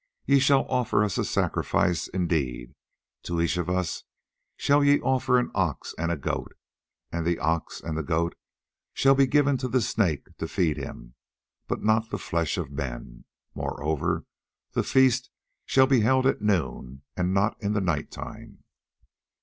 "Ye shall offer us a sacrifice indeed; to each of us shall ye offer an ox and a goat, and the ox and the goat shall be given to the Snake to feed him, but not the flesh of men; moreover, the feast shall be held at noon and not in the night time."